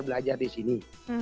jadi kita belajar di sini